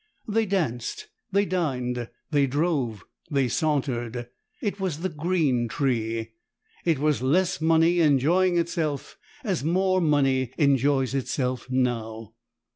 They danced, they dined, they drove, they sauntered. It was the green tree. It was less money enjoying itself as more money enjoys itself now.